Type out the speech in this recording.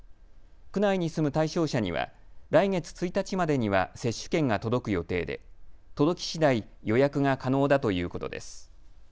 区内に住む対象者には来月１日までには接種券が届く予定で届きしだい予約が可能だということです。